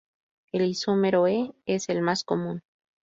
El isómero E es el más común.